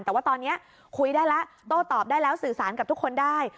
แต่ว่าตอนนี้คุยได้แล้วโต้ตอบได้แล้วสื่อสารกับทุกคนได้